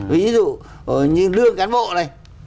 ví dụ như lương cán bộ này